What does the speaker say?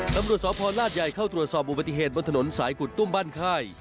ตำรวจสพลาดใหญ่เข้าตรวจสอบอุบัติเหตุบนถนนสายกุดตุ้มบ้านค่าย